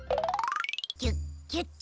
ギュッギュッと。